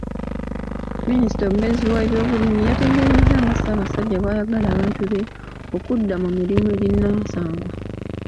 Minisita omubeezi ow’ebyobulimi yategeezezza nga Ssaabasajja bw'ayagala abantu be okudda ku mirimu ginnansangwa.